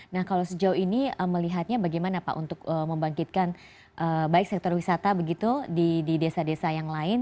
nah kalau sejauh ini melihatnya bagaimana pak untuk membangkitkan baik sektor wisata begitu di desa desa yang lain